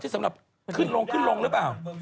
ไม่ใช่สำหรับขึ้นลงหรือเปล่า